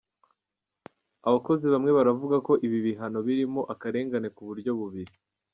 Abakozi bamwe baravuga ko ibi bihano birimo akarengane ku buryo bubiri.